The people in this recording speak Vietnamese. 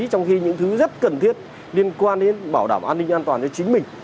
trong khi những thứ rất cần thiết liên quan đến bảo đảm an ninh an toàn cho chính mình